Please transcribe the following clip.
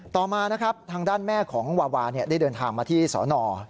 ต่อมานะครับทางด้านแม่ของวาวาได้เดินทางมาที่สน